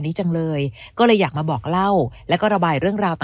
จังเลยก็เลยอยากมาบอกเล่าแล้วก็ระบายเรื่องราวต่อ